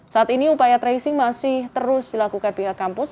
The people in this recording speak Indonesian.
saat ini upaya tracing masih terus dilakukan pihak kampus